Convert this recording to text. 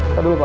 ntar dulu pak